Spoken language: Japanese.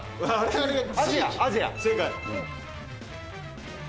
正解。